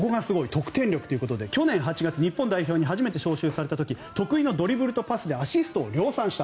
得点力ということで去年８月日本代表に初めて招集された時に得意のドリブルとパスでアシストを量産した。